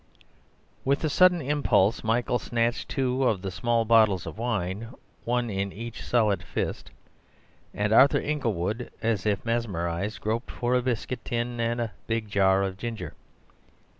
With a sudden impulse Michael snatched two of the small bottles of wine, one in each solid fist; and Arthur Inglewood, as if mesmerized, groped for a biscuit tin and a big jar of ginger.